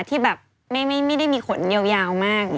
ที่แบบไม่ได้มีขนยาวมาก